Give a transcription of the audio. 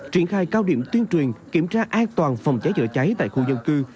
triển khai cao điểm tuyên truyền kiểm tra an toàn phòng cháy chữa cháy tại khu dân cư